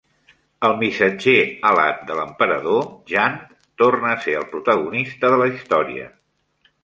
El missatger alat de l'emperador, Jant, torna a ser el protagonista de la història.